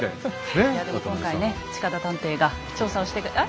いやでも今回ね近田探偵が調査をしてくれえ？